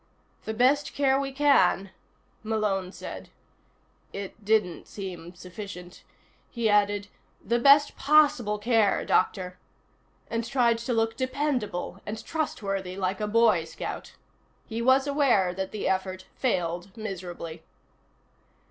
"The best care we can," Malone said. It didn't seem sufficient. He added: "The best possible care, Doctor," and tried to look dependable and trustworthy, like a Boy Scout. He was aware that the effort failed miserably.